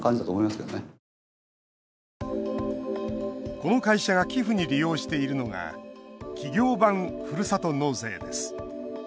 この会社が寄付に利用しているのが企業版ふるさと納税です。